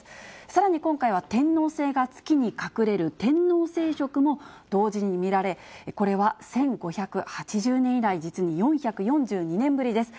さらに今回は、天王星が月に隠れる天王星食も同時に見られ、これは１５８０年以来、実に４４２年ぶりです。